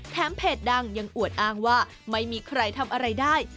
เพจดังยังอวดอ้างว่าไม่มีใครทำอะไรได้